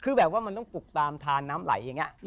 คือแบบว่ามันต้องปลุกตามทานน้ำไหลอย่างนี้